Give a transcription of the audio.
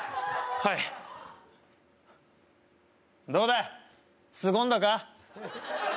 はいどうだすごんだか？